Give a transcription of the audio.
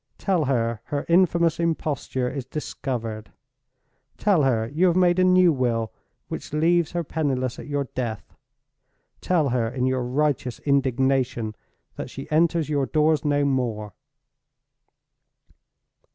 Tell her her infamous imposture is discovered; tell her you have made a new will, which leaves her penniless at your death; tell her, in your righteous indignation, that she enters your doors no more.